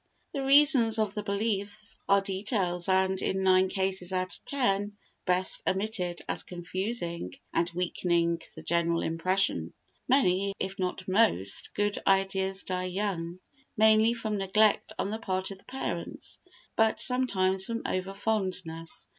The reasons of the belief are details and, in nine cases out of ten, best omitted as confusing and weakening the general impression. Many, if not most, good ideas die young—mainly from neglect on the part of the parents, but sometimes from over fondness.